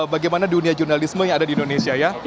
bagaimana dunia jurnalisme yang ada di indonesia ya